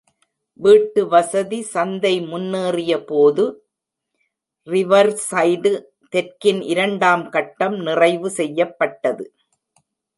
வீட்டு வசதி சந்தை முன்னேறிய போது, ரிவர்சைடு தெற்கின் இரண்டாம் கட்டம் நிறைவு செய்யப்பட்டது.